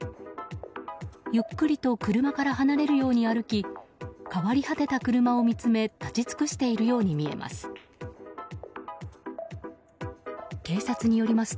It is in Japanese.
ゆっくりと車から離れるように歩き変わり果てた車を見つめ立ち尽くしているように見えます。